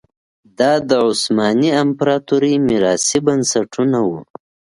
دا د عثماني امپراتورۍ میراثي بنسټونه وو.